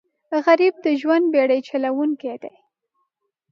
غریب د ژوند بېړۍ چلوونکی دی